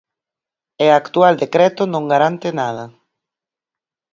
E actual decreto non garante nada.